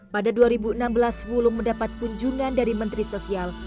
pada dua ribu enam belas wulung mendapat kunjungan dari menteri sosial